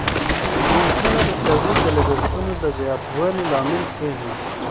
مزدونه د تولید د لګښتونو د زیاتوالی لامل کیږی.